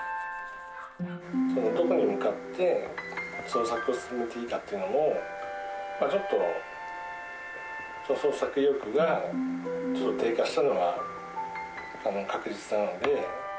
どこに向かって、創作を進めていいかっていうのもちょっと創作意欲がちょっと低下したのは確実なので。